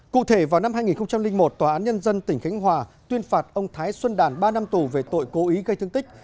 cụ thể vào năm hai nghìn một tòa án nhân dân tỉnh khánh hòa tuyên phạt ông thái xuân đàn ba năm tù về tội cố ý gây thương tích